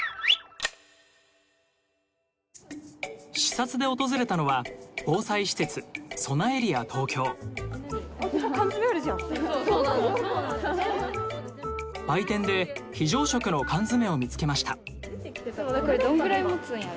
視察で訪れたのは防災施設売店で非常食の缶詰を見つけました。